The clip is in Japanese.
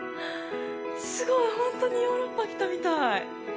すごい、本当にヨーロッパ来たみたい。